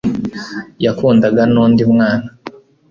yakundanaga n'undi mwana